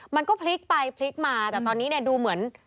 มันก็พลิกไปพลิกมาแต่ตอนนี้เนี่ยดูเหมือน